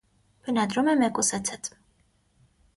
Բնադրում է մեկուսացած։